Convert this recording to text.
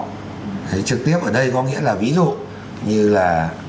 trực tiếp ở đây có nghĩa là ví dụ như là